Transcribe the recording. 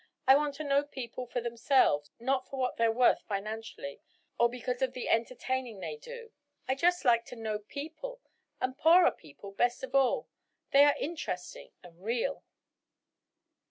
I want to know people for themselves, not for what they're worth financially or because of the entertaining they do. I just like to know people—and poorer people best of all. They are interesting and real."